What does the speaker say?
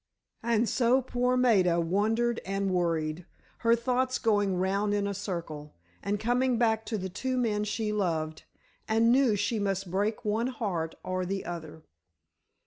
And so poor Maida wondered and worried; her thoughts going round in a circle, and coming back to the two men she loved, and knew she must break one heart or the other.